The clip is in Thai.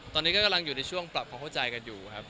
ตอนนี้ก็กำลังอยู่ในช่วงปรับความเข้าใจกันอยู่ครับ